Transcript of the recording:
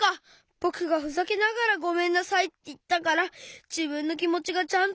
ぼくがふざけながら「ごめんなさい」っていったからじぶんのきもちがちゃんとつたわらなかった！